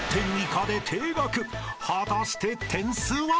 ［果たして点数は？］